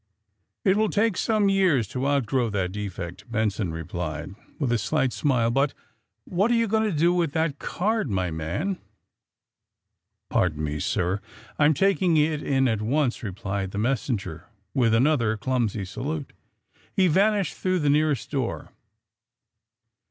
^^It will take me some years to outgrow that defect," Benson replied, with a slight smile. ^^But what are you going to do with that card, my manf" ^^ Pardon me, sir; I'm taking it in at once," replied the messenger, with another clumsy sa lute. He vanished through the nearest door.